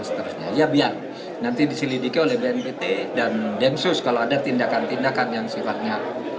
seterusnya ya biar nanti diselidiki oleh bnpt dan densus kalau ada tindakan tindakan yang sifatnya